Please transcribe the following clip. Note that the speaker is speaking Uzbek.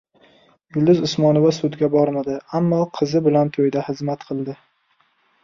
Yulduz Usmonova sudga bormadi - ammo qizi bilan to‘yda xizmat qildi